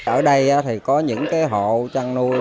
ở đây thì có những cái hộ chăn nuôi